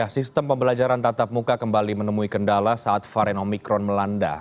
sistem pembelajaran tatap muka kembali menemui kendala saat varian omikron melanda